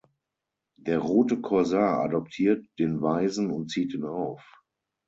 Der rote Korsar adoptiert den Waisen und zieht ihn auf.